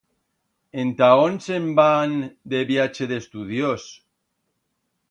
Enta ón se'n van de viache d'estudios?